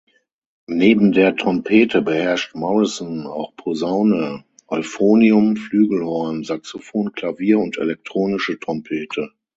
Neben der Trompete beherrscht Morrison auch Posaune, Euphonium, Flügelhorn, Saxophon, Klavier und elektronische Trompete.